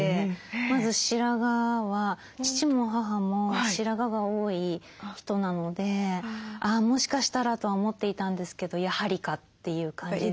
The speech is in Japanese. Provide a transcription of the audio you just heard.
まず白髪は父も母も白髪が多い人なのであもしかしたらとは思っていたんですけどやはりかっていう感じですし。